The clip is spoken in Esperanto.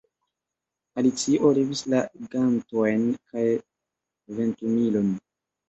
Alicio levis la gantojn kaj ventumilon.